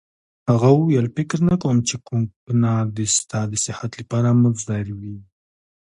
هغه وویل: فکر نه کوم چي کوګناک دي ستا د صحت لپاره مضر وي.